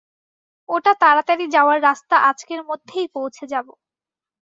ওটা তাড়াতাড়ি যাওয়ার রাস্তা আজকের মধ্যেই পৌছে যাব।